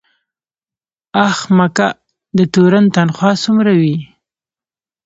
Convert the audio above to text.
آ ښه مککه، د تورن تنخواه څومره وي؟